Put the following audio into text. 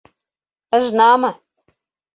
Ыжнамы!